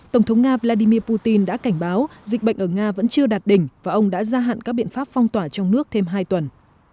tổng thống nga vladimir putin đã cảnh báo dịch bệnh ở nga vẫn chưa đạt đỉnh và ông đã gia hạn các biện pháp phong tỏa trong nước thêm hai tuần